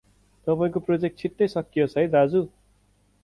तपाईंको प्रोजेक्ट छिटै सकियोस् है दाजु।